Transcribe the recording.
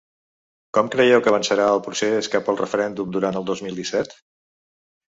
Com creieu que avançarà el procés cap al referèndum durant el dos mil disset?